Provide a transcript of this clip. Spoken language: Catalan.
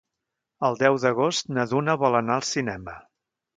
El deu d'agost na Duna vol anar al cinema.